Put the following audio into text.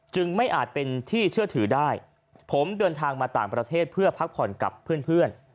ไม่อาจเป็นที่เชื่อถือได้ผมเดินทางมาต่างประเทศเพื่อพักผ่อนกับเพื่อน